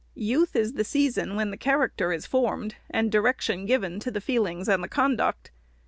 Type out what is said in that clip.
Youth is the season when the character is formed, and direction given to the feelings and the conduct.